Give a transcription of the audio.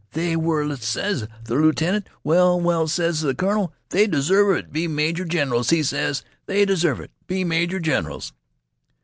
'They were,' ses th' lieutenant. 'Well, well,' ses th' colonel, 'they deserve t' be major generals,' he ses. 'They deserve t' be major generals.'"